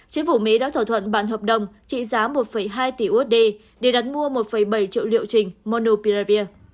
chính phủ mỹ đã thỏa thuận bản hợp đồng trị giá một hai tỷ usd để đặt mua một bảy triệu liệu trình monopirevir